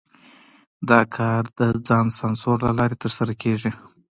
دا کار د ځان سانسور له لارې ترسره کېږي.